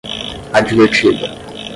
advertida